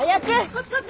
こっちこっち！